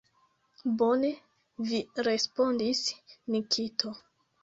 Bone vi respondis, Nikito!